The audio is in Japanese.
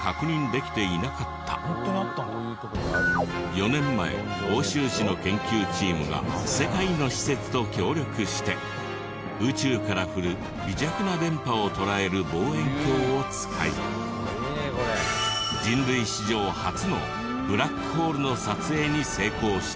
４年前奥州市の研究チームが世界の施設と協力して宇宙から来る微弱な電波を捉える望遠鏡を使い人類史上初のブラックホールの撮影に成功した。